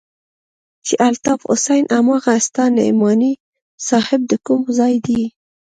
چې الطاف حسين هماغه ستا نعماني صاحب د کوم ځاى دى.